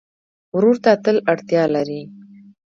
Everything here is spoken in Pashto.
ورور ته تل اړتیا لرې.